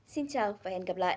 xin chào và hẹn gặp lại